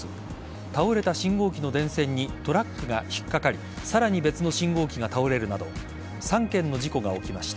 倒れた信号機の電線にトラックが引っかかりさらに別の信号機が倒れるなど３件の事故が起きました。